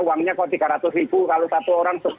uangnya kok tiga ratus ribu kalau satu orang